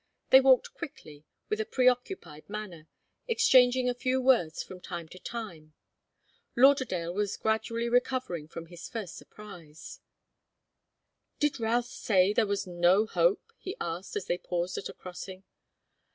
They walked quickly, with a preoccupied manner, exchanging a few words from time to time. Lauderdale was gradually recovering from his first surprise. "Did Routh say that there was no hope?" he asked, as they paused at a crossing.